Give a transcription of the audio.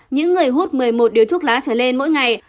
những người hút một mươi một điếu thuốc lá trở lên mỗi ngày